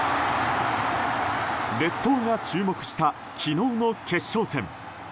列島が注目した昨日の決勝戦。